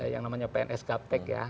yang namanya pns gap tech ya